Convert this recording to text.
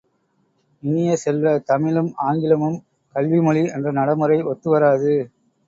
இனிய செல்வ, தமிழும் ஆங்கிலமும் கல்வி மொழி என்ற நடைமுறை ஒத்துவராது.